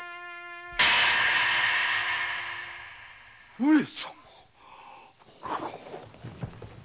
上様！